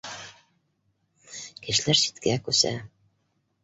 Кешеләр ситкә күсә